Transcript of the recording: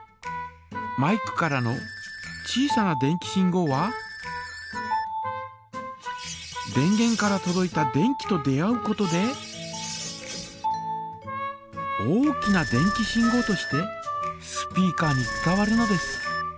マイクからの小さな電気信号は電げんからとどいた電気と出合うことで大きな電気信号としてスピーカーに伝わるのです。